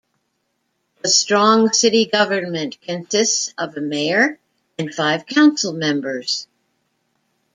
The Strong City government consists of a mayor and five council members.